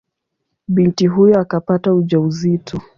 Binti huyo akapata ujauzito.